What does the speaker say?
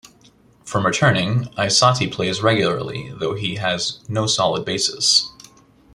From returning, Aissati plays regularly, though he has no solid basis.